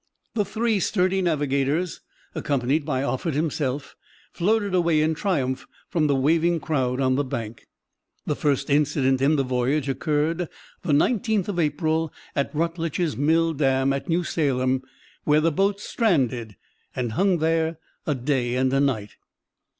The three sturdy navigators, accompanied by Offutt himself, floated away in triumph from the waving crowd on the bank. The first incident in the voyage occurred the 19th of April, at Rutledge's mill dam at New Salem, where the boat stranded and "hung" there a day and a night.